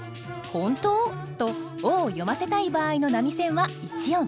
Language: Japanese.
「ほんと？」と「」を読ませたい場合の波線は１音。